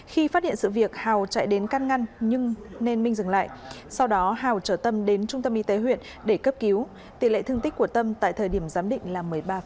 khi phát hiện sự việc hào chạy đến can ngăn nhưng nên minh dừng lại sau đó hào trở tâm đến trung tâm y tế huyện để cấp cứu tỷ lệ thương tích của tâm tại thời điểm giám định là một mươi ba